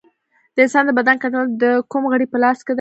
د انسان د بدن کنټرول د کوم غړي په لاس کې دی